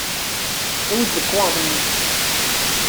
Awi-d lekwaɣeḍ-nnek.